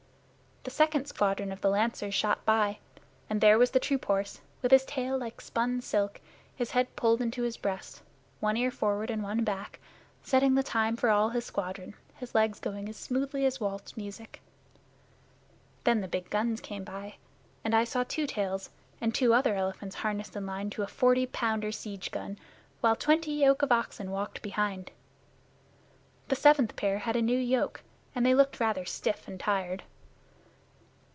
The second squadron of the Lancers shot by, and there was the troop horse, with his tail like spun silk, his head pulled into his breast, one ear forward and one back, setting the time for all his squadron, his legs going as smoothly as waltz music. Then the big guns came by, and I saw Two Tails and two other elephants harnessed in line to a forty pounder siege gun, while twenty yoke of oxen walked behind. The seventh pair had a new yoke, and they looked rather stiff and tired.